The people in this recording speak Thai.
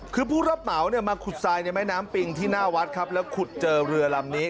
คือผู้รับเหมาเนี่ยมาขุดทรายในแม่น้ำปิงที่หน้าวัดครับแล้วขุดเจอเรือลำนี้